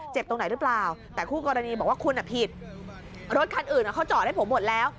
ตรงไหนหรือเปล่าแต่คู่กรณีบอกว่าคุณผิดรถคันอื่นเขาจอดให้ผมหมดแล้ว